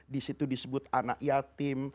disitu disebut anak yatim